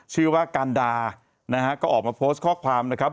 ชื่อว่ากันดานะฮะก็ออกมาโพสต์ข้อความนะครับ